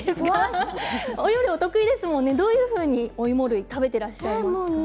お料理お得意ですものねどういうふうに芋類を食べてらっしゃいますか？